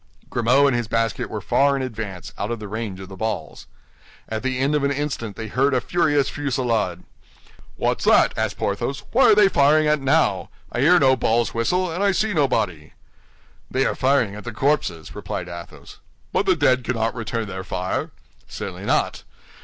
Grimaud and his basket were far in advance, out of the range of the balls. At the end of an instant they heard a furious fusillade. "What's that?" asked Porthos, "what are they firing at now? I hear no balls whistle, and I see nobody!" "They are firing at the corpses," replied Athos. "But the dead cannot return their fire." "Certainly not!